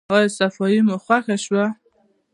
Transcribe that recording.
ایا صفايي مو خوښه شوه؟